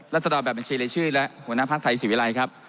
รัศดอบแบบบัญชีเรชื่นและหัวหน้าภาคไทยศิวิรัยครับ